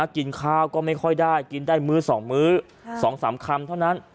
กินข้าวก็ไม่ค่อยได้กินได้มื้อ๒มื้อ๒๓คำเท่านั้น